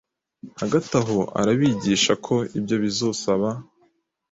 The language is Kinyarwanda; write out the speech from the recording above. Hagati aho, aragabisha ko ibyo bizosaba